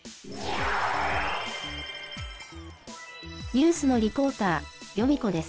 ニュースのリポーター、ヨミ子です。